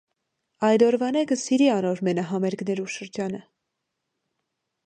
Այդ օրուընէ կը սկսի անոր մենահամերգներու շրջանը։